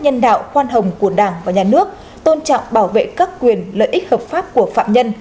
nhân đạo khoan hồng của đảng và nhà nước tôn trọng bảo vệ các quyền lợi ích hợp pháp của phạm nhân